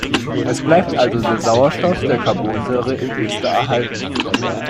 Es bleibt also der Sauerstoff der Carbonsäure im Ester erhalten.